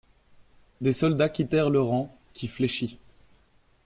Des soldats quittèrent le rang, qui fléchit.